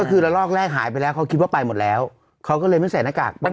ก็คือละลอกแรกหายไปแล้วเขาคิดว่าไปหมดแล้วเขาก็เลยไม่ใส่หน้ากากบ้าง